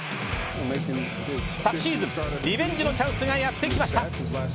昨シーズン、リベンジのチャンスがやってきました。